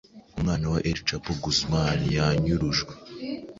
Umwana wa El Capo Guzman yanyurujwe